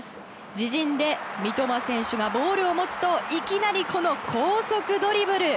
自陣で三笘選手がボールを持つといきなり、この高速ドリブル。